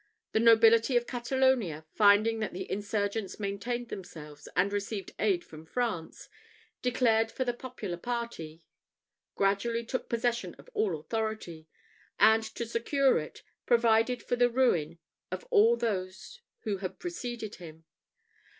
The nobility of Catalonia, finding that the insurgents maintained themselves, and received aid from France, declared for the popular party, gradually took possession of all authority; and, to secure it, provided for the ruin of all those who had preceded them.